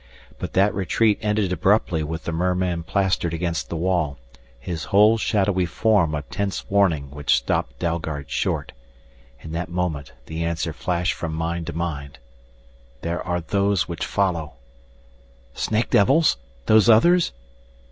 But that retreat ended abruptly with the merman plastered against the wall, his whole shadowy form a tense warning which stopped Dalgard short. In that moment the answer flashed from mind to mind. "There are those which follow " "Snake devils? Those Others?"